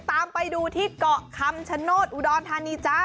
ตามไปดูที่เกาะคำชโนธอุดรธานีจ้า